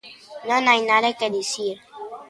Non hai nada que dicir.